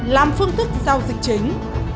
làm phương thức giao dịch chính